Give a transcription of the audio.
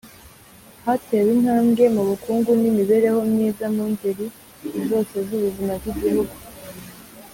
Hatewe intambwe mu Bukungu n’Imibereho myiza mu ngeri zose z’ubuzima bw’Igihugu